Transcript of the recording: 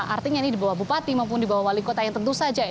artinya ini di bawah bupati maupun di bawah wali kota yang tentu saja